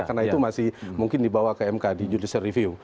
karena itu masih mungkin dibawa ke mk di judis review